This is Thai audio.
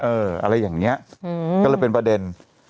อะไรอย่างนี้ก็เลยเป็นประเด็น